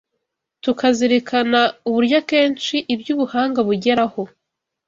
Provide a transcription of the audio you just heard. tukazirikana uburyo akenshi ibyo ubuhanga bugeraho